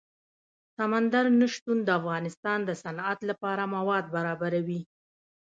سمندر نه شتون د افغانستان د صنعت لپاره مواد برابروي.